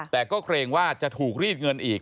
แต่ก็เกรงว่าจะถูกรีดเงินอีก